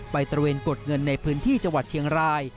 ตระเวนกดเงินในพื้นที่จังหวัดเชียงราย